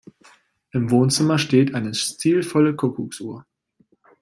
Im Wohnzimmer steht eine stilvolle Kuckucksuhr.